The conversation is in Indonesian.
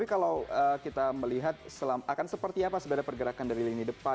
tapi kalau kita melihat akan seperti apa sebenarnya pergerakan dari lini depan